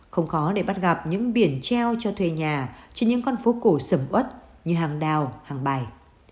không khó để bắt gặp những biển treo cho thuê nhà trên những con phố cổ sầm ớt như hàng đào hàng bài